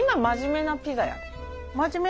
真面目なピザや？